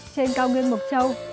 trên cao ngân mộc châu